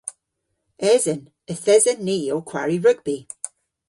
Esen. Yth esen ni ow kwari rugbi.